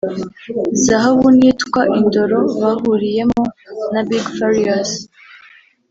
“Zahabu” n’iyitwa “Indoro” bahuriyemo na Big Farious